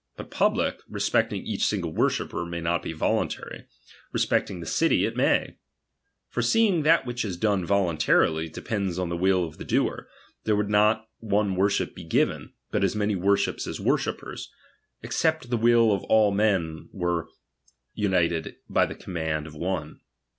But public, respecting each single worshipper, may not be vohintary ; respecting the city, it may. For seeing that which is done volun tarily, depends on the will of the doer, there would not one worship be given, but as many worships as worshippers ; except the will of all men were uni ted by the command of one.